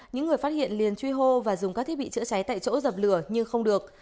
những người phát hiện liền truy hô và dùng các thiết bị chữa cháy tại chỗ dập lửa nhưng không được